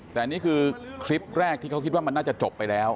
แต่นี่คือคลิปแรกที่เขาคิดว่ามันน่าจะจบไปแล้ว